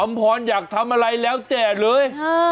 อำพรณ์อยากทำอะไรแล้วแจ่เลย